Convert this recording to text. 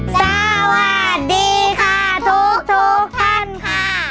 สวัสดีค่ะทุกท่านค่ะ